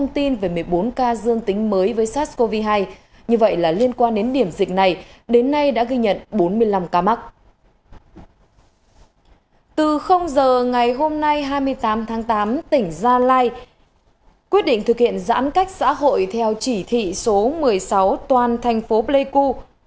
từ giờ ngày hôm nay hai mươi tám tháng tám tỉnh gia lai quyết định thực hiện giãn cách xã hội theo chỉ thị số một mươi sáu toàn thành phố pleiku